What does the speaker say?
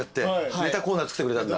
ネタコーナー作ってくれたんだ。